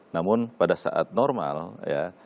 namun pada saat normal ya